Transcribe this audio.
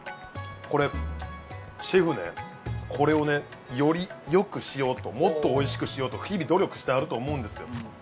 これシェフねこれをねよりよくしようともっとおいしくしようと日々努力してはると思うんですよ